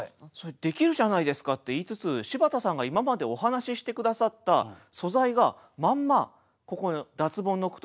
「できるじゃないですか」って言いつつ柴田さんが今までお話しして下さった素材がまんまここに脱ボンの句とし